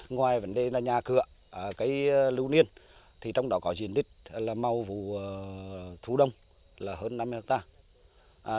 ngoài vấn đề là nhà cửa cây lưu niên trong đó có diện tích là mau vụ thú đông là hơn năm mươi hectare